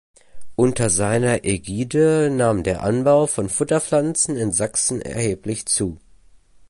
Unter seiner Ägide nahm der Anbau von Futterpflanzen in Sachsen erheblich zu.